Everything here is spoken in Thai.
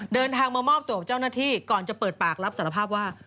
เดินทางมามอบตัวกับเจ้าหน้าที่ก่อนจะเปิดปากรับสารภาพว่า